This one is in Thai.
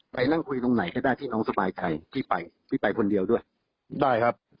นั่งคุยตรงไหนก็ได้ที่น้องสบายใจพี่ไปพี่ไปคนเดียวด้วยได้ครับ